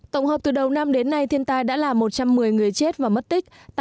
tổng hợp từ đầu năm đến nay thiên tai đã làm một trăm một mươi người chết và mất tích